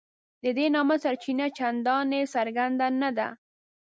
د دې نامه سرچینه چنداني څرګنده نه ده.